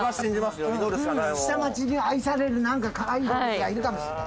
下町に愛されるかわいい動物がいるかもしれない。